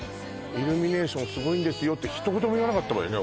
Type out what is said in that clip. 「イルミネーションすごいんですよ」って一言も言わなかったわよね